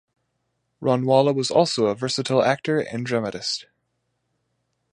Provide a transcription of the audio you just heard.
Ranwala was also a versatile actor and dramatist.